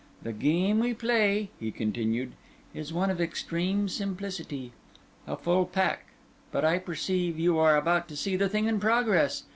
The game we play," he continued, "is one of extreme simplicity. A full pack—but I perceive you are about to see the thing in progress.